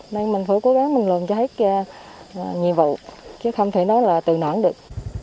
nên mình phải cố gắng mình làm cho hết nhiệm vụ chứ không thể nói là tự nản được